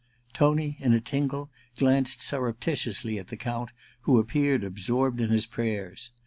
Tony, in a tingle, glanced surreptitiously at the Count, who appeared absorbed in his prayers.